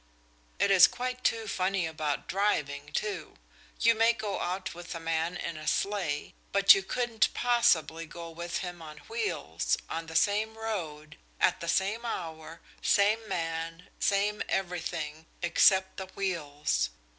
"It is quite too funny about driving, too. You may go out with a man in a sleigh, but you couldn't possibly go with him on wheels on the same road, at the same hour, same man, same everything, except the wheels.